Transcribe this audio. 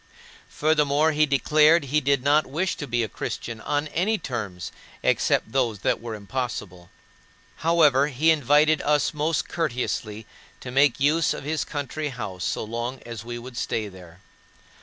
Furthermore, he declared he did not wish to be a Christian on any terms except those that were impossible. However, he invited us most courteously to make use of his country house so long as we would stay there.